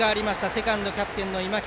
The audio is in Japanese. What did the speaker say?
セカンド、キャプテンの今北。